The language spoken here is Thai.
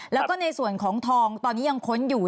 แล้วก็ในส่วนของทองตอนนี้ยังค้นอยู่